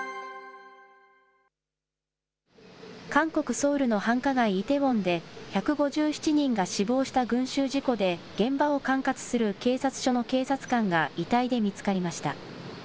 韓国・ソウルの繁華街、イテウォンで１５７人が死亡した群集事故で、現場を管轄する警察署の警察官が遺体で見つかりました。